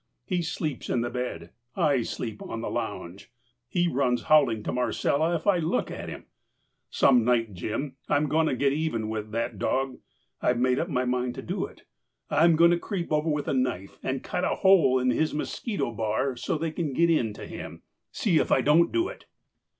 "He sleeps in the bed, I sleep on a lounge. He runs howling to Marcella if I look at him. Some night, Jim, I'm going to get even with that dog. I've made up my mind to do it. I'm going to creep over with a knife and cut a hole in his mosquito bar so they can get in to him. See if I don't do it!"